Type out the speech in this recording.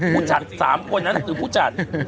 ผู้จัด๓คนนั้นคือผู้จัด